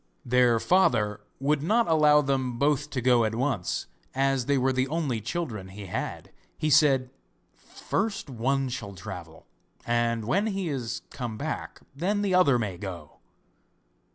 Their father would not allow them both to go at once, as they were the only children he had. He said: 'First one shall travel, and when he is come back then the other may go.